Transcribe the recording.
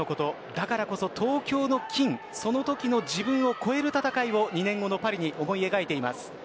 だからこそ東京の金そのときの自分を超える戦いを２年後のパリに思い描いています。